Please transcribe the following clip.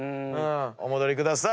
お戻りください。